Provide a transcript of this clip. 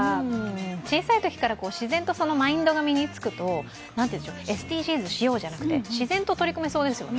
小さいときから自然とマインドが身につくとＳＤＧｓしようじゃなくて自然と取り組めそうですよね。